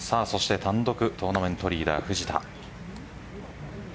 単独トーナメントリーダー、藤田。